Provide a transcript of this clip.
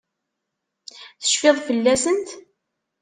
Tecfid fell-asent?